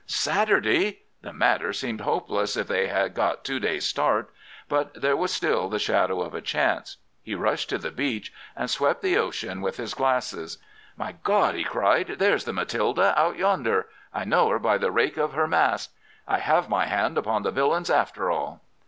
"Saturday! The matter seemed hopeless if they had got two days' start. But there was still the shadow of a chance. He rushed to the beach and swept the ocean with his glasses. "'My God!' he cried. 'There's the Matilda out yonder. I know her by the rake of her mast. I have my hand upon the villains after all!